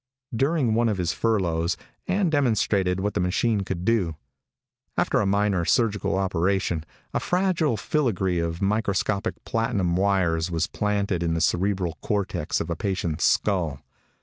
During one of his furloughs Ann demonstrated what the machine could do. After a minor surgical operation, a fragile filigree of microscopic platinum wires was planted in the cerebral cortex of a patient's skull.